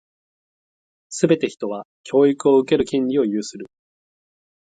すべて人は、教育を受ける権利を有する。